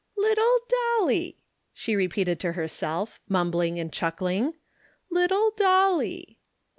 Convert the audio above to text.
"Little Dolly!" she repeated to herself, mumbling and chuckling. "Little Dolly."